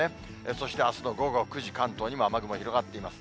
そしてあすの午後９時、関東にも雨雲広がっています。